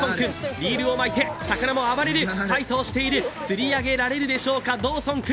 リールを巻いて魚も暴れる、ファイトをしている、釣り上げられるでしょうかドーソン君。